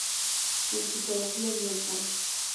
En: Psicología ambiental.